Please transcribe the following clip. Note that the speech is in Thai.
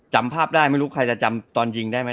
จำภาพได้ไม่รู้ใครจะจำตอนยิงได้ไหม